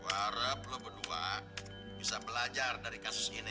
warap lo berdua bisa belajar dari kasus ini